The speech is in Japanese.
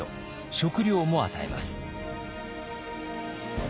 食料も与えます。